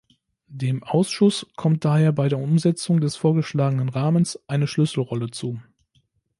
Dem Ausschuss kommt daher bei der Umsetzung des vorgeschlagenen Rahmens eine Schlüsselrolle zu.